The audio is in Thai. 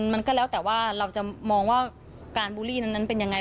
มันก็แล้วแต่ว่าเราจะมองว่าการบูลลี่นั้นเป็นยังไง